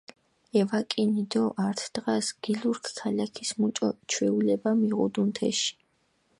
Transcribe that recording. ევაკინი დო ართ დღას გილურქ ქალაქის მუჭო ჩვეულება მიღუდუნ თეში.